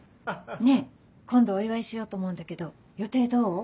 ねぇ今度お祝いしようと思うんだけど予定どう？